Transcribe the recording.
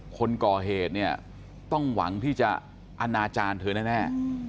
คนก่อเหตุเนี่ยต้องหวังที่จะอนาจารย์เธอแน่